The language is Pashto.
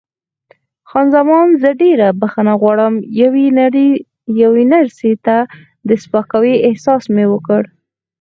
خان زمان: زه ډېره بښنه غواړم، یوې نرسې ته د سپکاوي احساس مې وکړ.